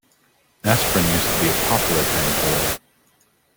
Asprin used to be a popular painkiller